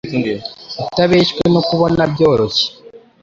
utabeshywe no kubona byoroshye